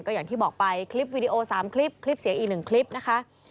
อย่างที่บอกไปคลิปวิดีโอ๓คลิปคลิปเสียงอีก๑คลิปนะคะ